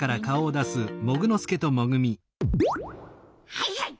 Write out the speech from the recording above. はいはい。